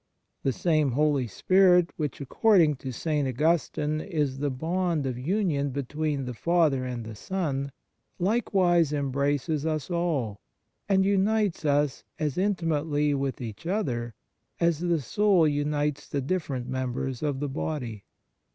The same Holy Spirit, which, according to St. Augustine, is the bond of union between the Father and the Son likewise embraces us all, and unites us as intimately with each other as the soul unites the different members of the body.